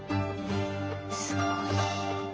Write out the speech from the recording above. すごい！